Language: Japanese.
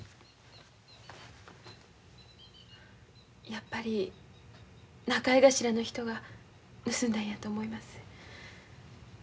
やっぱり仲居頭の人が盗んだんやと思います。